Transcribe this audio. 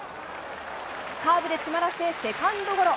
カーブで詰まらせ、セカンドゴロ。